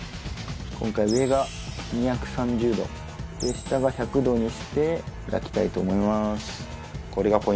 今回上が２３０度下が１００度にして焼きたいと思います。